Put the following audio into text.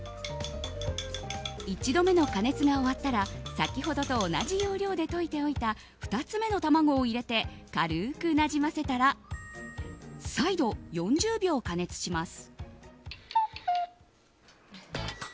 １度目の加熱が終わったら先ほどと同じ要領で溶いておいた２つ目の卵を入れて軽くなじませたら再度４０秒加熱します。